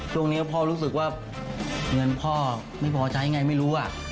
ช่วงนี้พ่อรู้สึกว่าเงินพ่อไม่พอใช้ไงไม่รู้